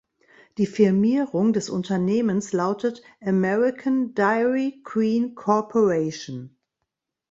Die Firmierung des Unternehmens lautet "American Dairy Queen Corporation".